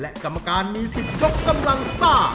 และกรรมการมีสิทธิ์ยกกำลังซ่า